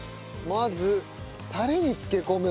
まずタレに漬け込む。